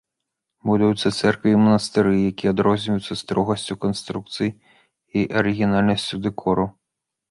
Будуюцца цэрквы і манастыры, якія адрозніваюцца строгасцю канструкцый і арыгінальнасцю дэкору.